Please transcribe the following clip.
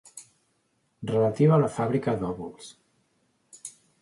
Relativa a la fàbrica d'òvuls.